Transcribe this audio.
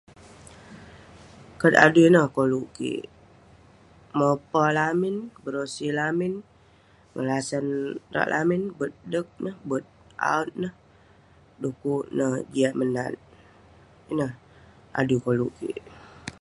Kat adui ineh koluk kik. Mopa lamin, berosi lamin, ngelasan rak lamin, bet deg neh, bet awot neh. Dekuk neh jiak menat. Ineh, adui koluk kik.